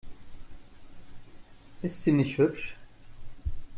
Ist sie nicht hübsch?